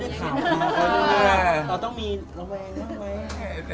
เราต้องมีระวัง